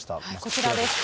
こちらです。